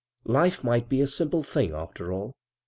Life might be a simple thing, after all.